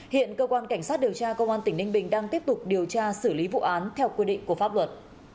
hiện cơ quan cảnh sát điều tra công an tỉnh ninh bình đang tiếp tục điều tra xử lý vụ án theo quy định của pháp luật